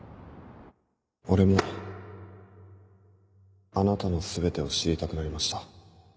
俺もあなたの全てを知りたくなりました